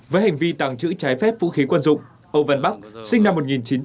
với hành vi tàng trữ trái phép vũ khí quân dụng âu văn bắc sinh năm một nghìn chín trăm tám mươi